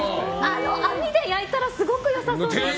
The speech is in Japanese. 網で焼いたらすごくよさそうですね。